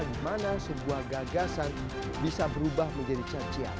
bagaimana sebuah gagasan bisa berubah menjadi cacian